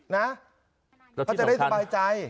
เขาจะได้สบายใจ